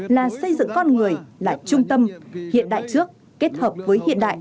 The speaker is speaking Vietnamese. là xây dựng con người là trung tâm hiện đại trước kết hợp với hiện đại